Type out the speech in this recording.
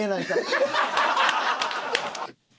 ハハハハ！